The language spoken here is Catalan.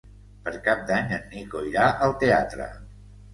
Per Cap d'Any en Nico irà al teatre.